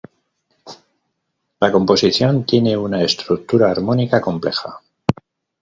La composición tiene una estructura armónica compleja.